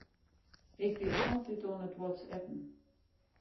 Ik wie altyd oan it whatsappen.